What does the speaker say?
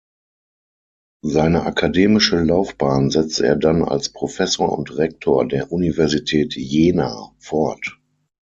Seine akademische Laufbahn setzte er dann als Professor und Rektor der Universität Jena fort.